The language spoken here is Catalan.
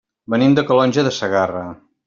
Venim de Calonge de Segarra.